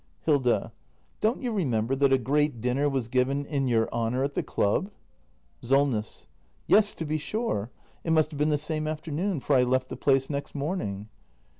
Hilda. Don't you remember that a great dinner was given in your honour at the Club ? SOLNESS. Yes, to be sure. It must have been the same after noon, for I left the place next morning.